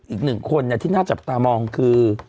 อีกหนึ่งคนที่น่าจับตามองคือ